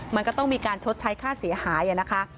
มันก็ต้องมีการชดใช้ค่าเสียหายนะคะ